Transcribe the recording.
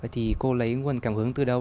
thì cô lấy nguồn cảm hứng từ đâu